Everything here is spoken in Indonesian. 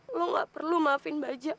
lo gak perlu maafin baja